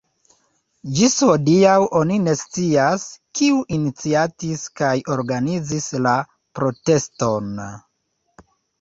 Ĝis hodiaŭ oni ne scias, kiu iniciatis kaj organizis la proteston.